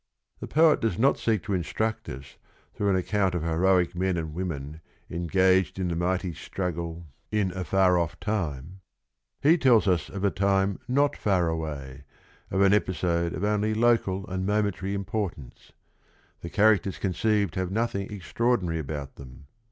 The poet does not seek to instruct us through an account of heroic men and women engaged in a mighty struggle in a 234 THE RING AND THE BOOK far off time. He tells us of a time not far away, of an episode of only local and momentary im portance. The characters conceived have noth ing extraordinary about them.